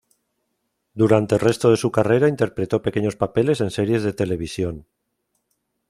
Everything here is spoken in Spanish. Durante el resto de su carrera interpretó pequeños papeles en series de televisión.